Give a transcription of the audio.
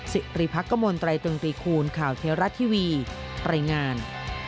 สิริพักษ์กระมวลไตรตึงตีคูณข่าวเทวรัตน์ทีวีปริงาน